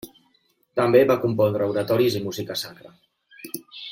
També va compondre oratoris i música sacra.